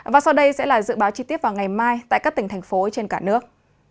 và sau đây sẽ là dự báo chi tiết vào ngày mai tại các tỉnh thành phố trên cả nước